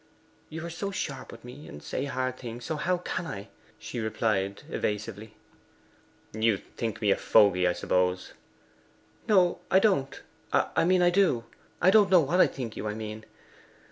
'You are so sharp with me, and say hard things, and so how can I?' she replied evasively. 'You think me a fogey, I suppose?' 'No, I don't I mean I do I don't know what I think you, I mean.